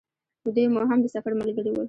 دوی مو هم د سفر ملګري ول.